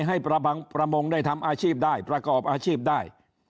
ให้ประมงได้ทำอาชีพได้ประกอบอาชีพได้